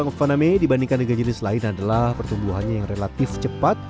funame dibandingkan dengan jenis lain adalah pertumbuhannya yang relatif cepat